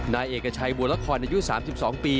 นายเอกชัยบัวละครอายุ๓๒ปี